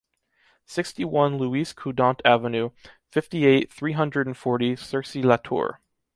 sixty-one Louis Coudant avenue, fifty-eight, three hundred and forty, Cercy-la-Tour